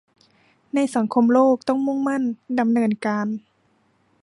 ในสังคมโลกต้องมุ่งมั่นดำเนินการ